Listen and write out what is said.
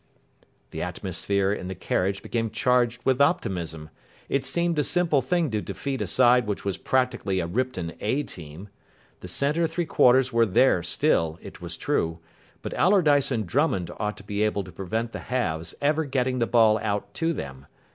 The atmosphere in the carriage became charged with optimism. It seemed a simple thing to defeat a side which was practically a Ripton "A" team. The centre three quarters were there still, it was true, but Allardyce and Drummond ought to be able to prevent the halves ever getting the ball out to them.